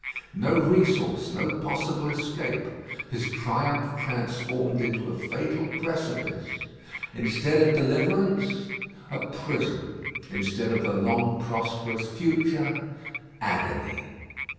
No resource no possible escape; his triumph transformed into a fatal precipice. Instead of deliverance, a prison; instead of the long prosperous future, agony.